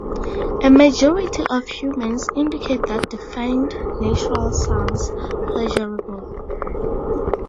A majority of humans indicate that they find natural sounds pleasurable.